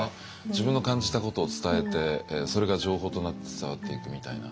自分の感じたことを伝えてそれが情報となって伝わっていくみたいな。